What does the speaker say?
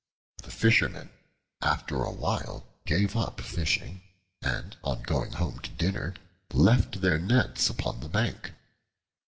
The Fishermen after a while gave up fishing, and on going home to dinner left their nets upon the bank.